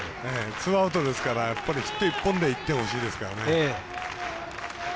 ツーアウトですからヒット１本で１点欲しいですから。